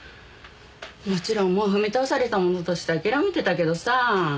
もちろんもう踏み倒されたものとしてあきらめてたけどさぁ。